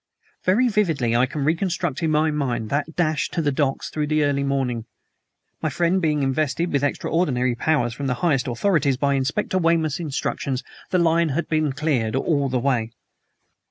Very vividly I can reconstruct in my mind that dash to the docks through the early autumn morning. My friend being invested with extraordinary powers from the highest authorities, by Inspector Weymouth's instructions the line had been cleared all the way.